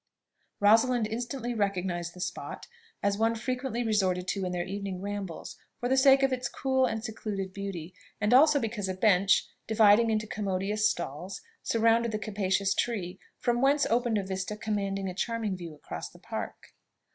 Rosalind instantly recognised the spot as one frequently resorted to in their evening rambles, for the sake of its cool and secluded beauty, and also because a bench, divided into commodious stalls, surrounded the capacious tree, from whence opened a vista commanding a charming view across the Park.